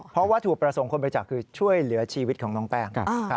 เพราะวัตถุประสงค์คนบริจาคคือช่วยเหลือชีวิตของน้องแป้ง